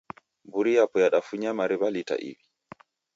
Mburi yapo yadafunya mariw'a lita iw'i.